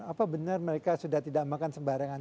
apa benar mereka sudah tidak makan sembarangan